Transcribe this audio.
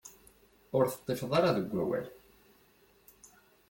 Ur teṭṭifeḍ ara deg awal.